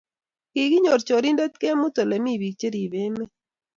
Kiginyor chorindet kemut ole mi biik cheribe emet